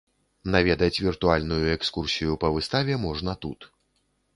Наведаць віртуальную экскурсію па выставе можна тут.